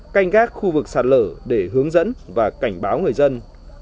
canh gác khu vực sạt lở để hướng dẫn và cảnh báo người dân